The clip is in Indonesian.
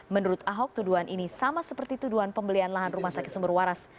menurut ahok tuduhan ini sama seperti tuduhan pembelian lahan rumah sakit sumber waras